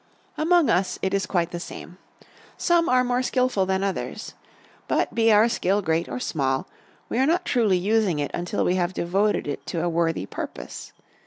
Among us it is quite the same. Some are more skilful than others. But be our skill great or small, we are not truly using it until we have devoted it to a worthy purpose.